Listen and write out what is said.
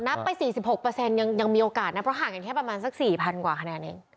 นับไป๔๖ยังมีโอกาสนะเพราะห่างกันแค่ประมาณสัก๔๐๐กว่าคะแนนเอง